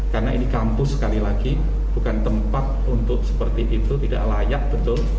karena ini kampus sekali lagi bukan tempat untuk seperti itu tidak layak betul